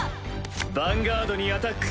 ヴァンガードにアタック！